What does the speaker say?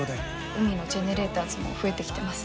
海のジェネレーターズも増えてきてます。